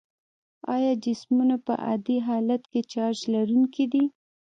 آیا جسمونه په عادي حالت کې چارج لرونکي دي؟